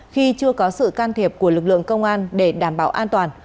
khi chưa có sự can thiệp của lực lượng công an để đảm bảo an toàn